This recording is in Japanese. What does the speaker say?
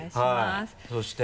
そして。